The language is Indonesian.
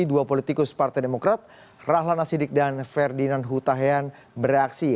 dua politikus partai demokrat rahlan nasidik dan ferdinand hutahian bereaksi